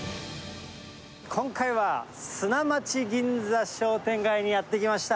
今回は、砂町銀座商店街にやって来ました。